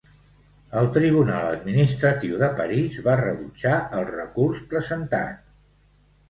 El Tribunal Administratiu de París va rebutjar el recurs presentat.